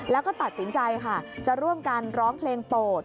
แล้วก็ตัดสินใจค่ะจะร่วมกันร้องเพลงโปรด